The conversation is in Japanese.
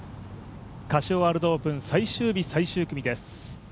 カシオワールドオープン最終日最終組です。